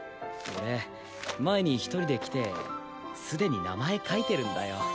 俺前に一人で来てすでに名前書いてるんだよ。